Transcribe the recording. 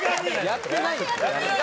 やってない。